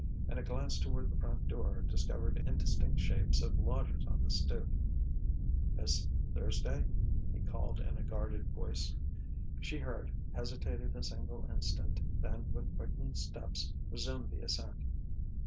And a glance toward the front door discovered indistinct shapes of lodgers on the stoop. "Miss Thursday!" he called in a guarded voice. She heard, hesitated a single instant, then with quickened steps resumed the ascent.